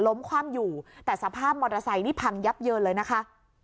คว่ำอยู่แต่สภาพมอเตอร์ไซค์นี่พังยับเยินเลยนะคะ